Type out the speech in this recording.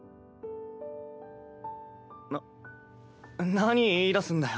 何言いだすんだよ